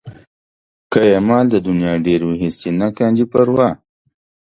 که یې مال د نيا ډېر وي هېڅ دې نه کاندي پروا